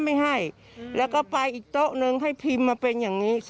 เราได้คุยกับเจ๊น้อยด้วยนะ